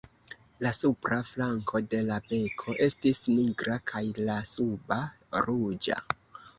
La supra flanko de la beko estis nigra, kaj la suba ruĝa.